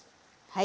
はい。